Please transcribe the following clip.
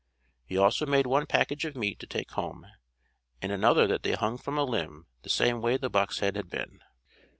He also made one package of meat to take home, and another that they hung from a limb the same way the buck's head had been.